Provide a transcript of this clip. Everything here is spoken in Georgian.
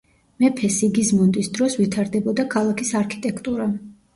მეფე სიგიზმუნდის დროს ვითარდებოდა ქალაქის არქიტექტურა.